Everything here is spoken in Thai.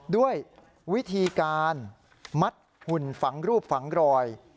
ด้วยวิธีการมัดหุ่นฝังรูปฝังรอย